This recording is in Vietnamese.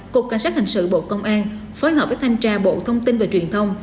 cục cảnh sát hình sự bộ công an phối hợp với thanh tra bộ thông tin và truyền thông